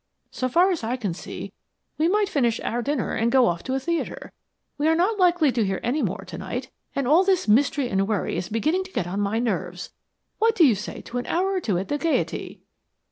So far as I can see we might finish our dinner and go off to a theatre. We are not likely to hear any more to night, and all this mystery and worry is beginning to get on my nerves. What do you say to an hour or two at the Gaiety?"